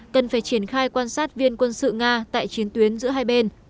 cần phải triển khai quan sát viên quân sự nga tại chiến tuyến giữa hai bên